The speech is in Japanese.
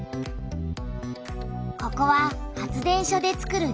ここは発電所でつくる